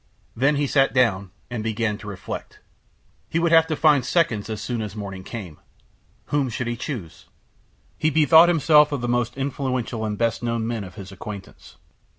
Then he sat down, and began to reflect. He would have to find seconds as soon as morning came. Whom should he choose? He bethought himself of the most influential and best known men of his acquaintance.